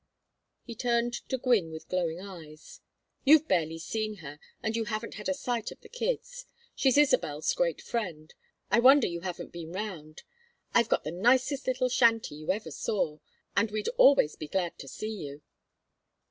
He turned to Gwynne with glowing eyes. "You've barely seen her and you haven't had a sight of the kids. She's Isabel's great friend. I wonder you haven't been round. I've got the nicest little shanty you ever saw, and we'd always be glad to see you."